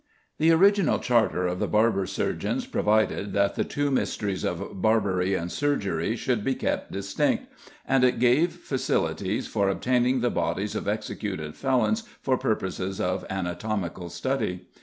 The original charter to the Barber Surgeons provided that the two mysteries of barbery and surgery should be kept distinct, and it gave facilities for obtaining the bodies of executed felons for purposes of anatomical study.